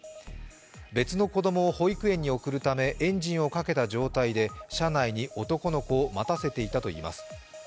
別の子供を保育園に送るためエンジンをかけた状態で車内に男の子を待たせていたといいます。